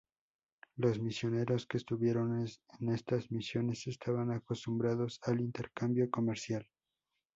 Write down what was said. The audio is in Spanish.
Los misioneros que estuvieron en estas misiones estaban acostumbrados al intercambio comercial.